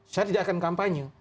saya tidak akan kampanye